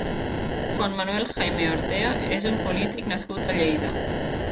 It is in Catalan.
Juan Manuel Jaime Ortea és un polític nascut a Lleida.